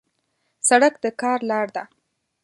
سړک د کار لار ده.